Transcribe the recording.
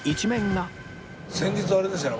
先日あれでしたね